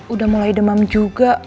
udah mulai demam juga